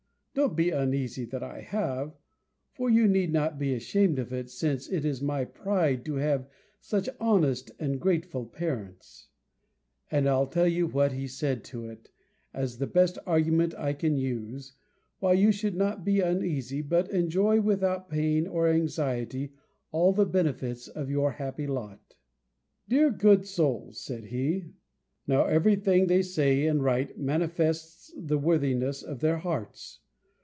Don't be uneasy that I have; for you need not be ashamed of it, since it is my pride to have such honest and grateful parents: and I'll tell you what he said to it, as the best argument I can use, why you should not be uneasy, but enjoy without pain or anxiety all the benefits of your happy lot. "Dear good souls!" said he, "now every thing they say and write manifests the worthiness of their hearts!